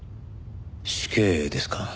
死刑ですか。